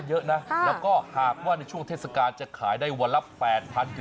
เยอะนะแล้วก็หากว่าในช่วงเทศกาลจะขายได้วันละ๘๐๐